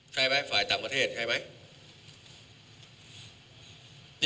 ใช่มั้ยฝ่ายต่างประเทศใช่มั้ย